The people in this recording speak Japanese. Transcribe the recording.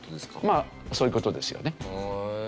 まあそういう事ですよね。